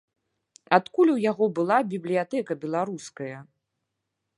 Адкуль у яго была бібліятэка беларуская?